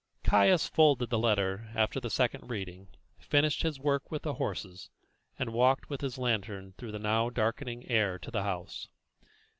Caius folded the letter after the second reading, finished his work with the horses, and walked with his lantern through the now darkening air to the house.